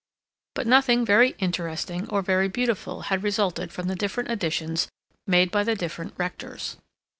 But nothing very interesting or very beautiful had resulted from the different additions made by the different rectors.